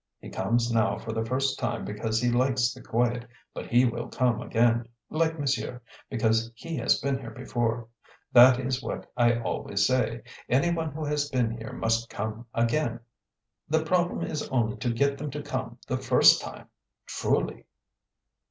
He comes now for the first time because he likes the quiet, but he will come again, like monsieur, because he has been here before. That is what I always say: 'Any one who has been here must come again.' The problem is only to get them to come the first time. Truly!"